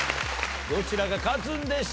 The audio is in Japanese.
どちらが勝つんでしょうか？